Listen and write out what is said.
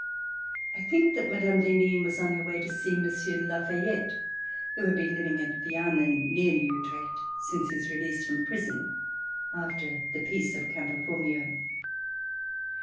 I think that Mme. d'Henin was on her way to see Monsieur de La Fayette who had been living at Vianen near Utrecht, since his release from prison after the Peace of Campo Formio.